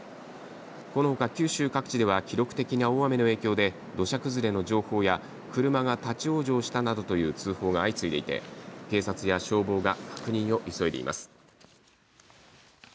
このほか九州各地では記録的な大雨の影響で土砂崩れの情報や車が立往生したなどという通報が相次いでいて警察や消防が確認を急いでいます。